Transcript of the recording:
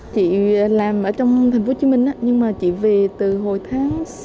chị làm ở trong thành phố hồ chí minh nhưng mà chỉ về từ hồi tháng sáu